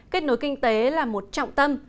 kết nối kinh tế là một trọng tâm